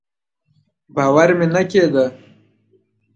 باور مې نه کېده.